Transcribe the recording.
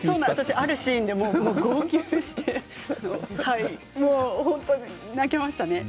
あるシーンで号泣しました泣けましたね。